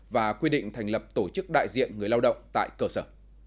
và quy định thành lập tổ chức đại diện người lao động tại cơ sở